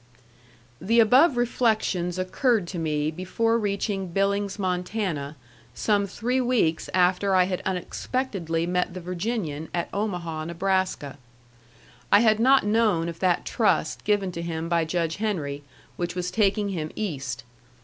The above reflections occurred to me before reaching Billings, Montana, some three weeks after I had unexpectedly met the Virginian at Omaha, Nebraska. I had not known of that trust given to him by Judge Henry, which was taking him East.